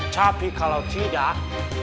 tapi kalau tidak